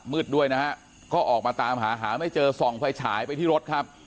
มืดด้วยนะฮะก็ออกมาตามหาหาไม่เจอส่องไฟฉายไปที่รถครับ